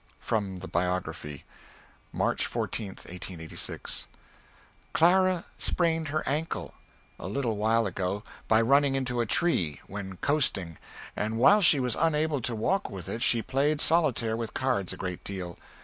From the Biography. March 14th, '86. Clara sprained her ankle, a little while ago, by running into a tree, when coasting, and while she was unable to walk with it she played solotaire with cards a great deal.